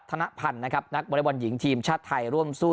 ธนพันธ์นะครับนักบริบอลหญิงทีมชาติไทยร่วมสู้